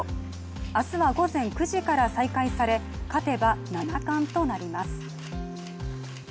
明日は午前９時から再開され勝てば七冠となります。